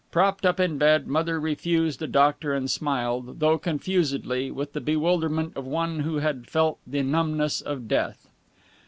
Propped up in bed, Mother refused a doctor and smiled though confusedly, with the bewilderment of one who had felt the numbness of death.